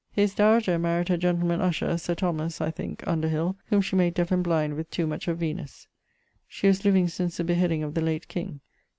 His dowager maried her gentleman usher, Sir (Thomas, I thinke) Underhill, whom she made deafe and blind with too much of Venus. ☞ She was living since the beheading of the late King.